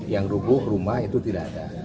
yang rubuh rumah itu tidak ada